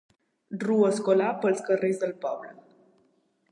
Rua escolar pels carrers del poble.